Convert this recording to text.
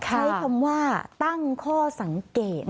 ใช้คำว่าตั้งข้อสังเกต